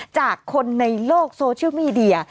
จากคนในโลกโซเชียลมีเดีย